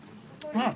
うん！